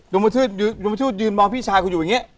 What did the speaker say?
ดวงมาทืดยืนมองพี่ชายคุณอยู่อย่างเงี้ย